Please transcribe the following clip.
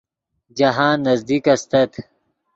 جاہند نزدیک استت